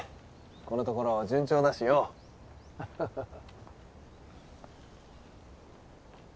このところ順調だしようハッハッハッハッ！